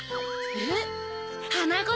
えっ？